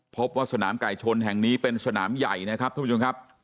พบว่าสนามไก่ชนแห่งนี้เป็นสนามใหญ่นะครับทุกผู้ชมครับ